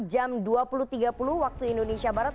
jam dua puluh tiga puluh waktu indonesia barat